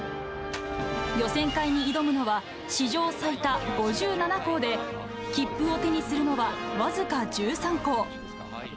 予選会に挑むのは、史上最多５７校で、切符を手にするのは僅か１３校。